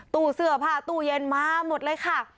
ตู้เสื้อผ้าตู้เย็นมาหมดเลยค่ะ